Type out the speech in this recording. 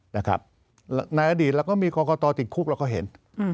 ในอดีตเราก็มีกรกตติดคุกเราก็เห็น